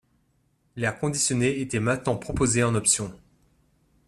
L'air conditionné était maintenant proposé en option.